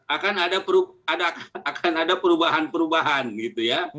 akan ada perubahan perubahan gitu ya